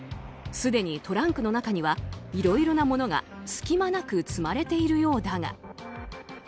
すでにトランクの中にはいろいろなものが隙間なく積まれているようだが。